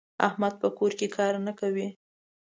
احمد په کور کې کار نه کوي.